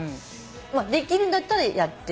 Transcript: できるんだったらやって。